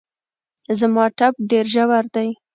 زما ټپ ډېر ژور دی